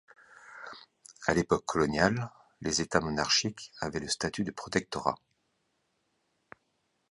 À l'époque coloniale, les États monarchiques avaient le statut de protectorat.